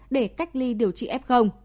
để cách ly điều trị f